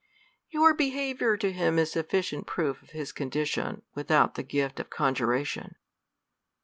Your behaviour to hini is sufficient proof of his condition, without the gift of conjuration.